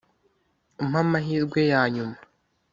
umpe amahirwe ya nyuma